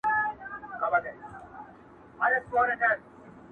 دا زړه نه دی په کوګل کي مي سور اور دی!.